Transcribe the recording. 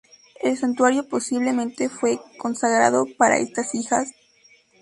El santuario posiblemente fue consagrado para estas hijas.